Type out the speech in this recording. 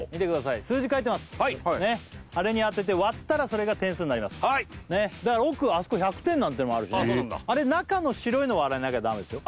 あれに当てて割ったらそれが点数になりますだから奥あそこ１００点なんてのもあるしねあれ中の白いの割らなきゃダメですよ